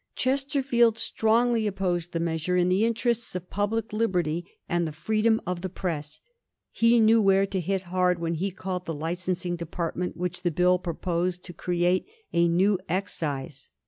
Chesterfield strongly opposed the measure in the interests of public liberty and the freedom of the press. He knew where to hit hard when he called the licensing department which the Bill proposed to create *^ a new excise."